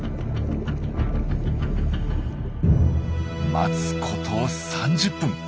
待つこと３０分。